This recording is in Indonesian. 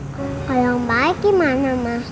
kalau om baik gimana ma